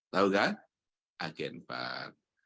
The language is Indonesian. tahu kan agen pan